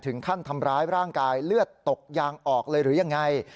ถึงขั้นทำร้ายร่างกายเลือดตกยางออกเลยหรือยังไง